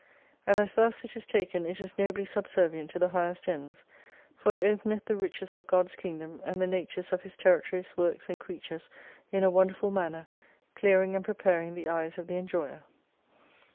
And as thus it is taken it is nobly subservient to the highest ends : for it openeth the riches of God's Kingdom and the natures of His terri tories, works, and creatures in a wonderful manner, clearing and preparing the eyes of the enjoyer.